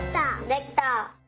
できた。